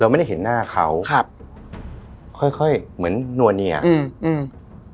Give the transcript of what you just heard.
ไม่ได้เห็นหน้าเขาครับค่อยค่อยเหมือนนัวเนียอืมอืม